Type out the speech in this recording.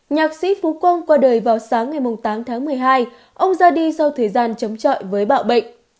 nhạc sĩ phú quang qua đời vào sáng ngày tám tháng một mươi hai ông ra đi sau thời gian chống chọi với bạo bệnh